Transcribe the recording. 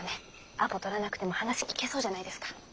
アポ取らなくても話聞けそうじゃないですか。